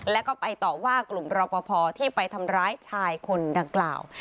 แล้วก็ไปต่อว่ากลุ่มรอปภที่ไปทำร้ายชายคนดังกล่าว